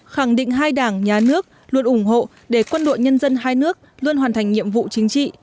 khẳng định hai đảng nhà nước luôn ủng hộ để quân đội nhân dân hai nước luôn hoàn thành nhiệm vụ chính trị